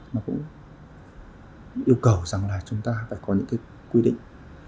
nó cũng yêu cầu rằng là chúng ta phải có những cái quy định